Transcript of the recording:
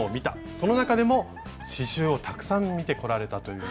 その中でも刺しゅうをたくさん見てこられたという。